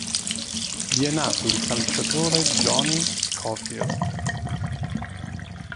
Vi è nato il calciatore Johnny Schofield.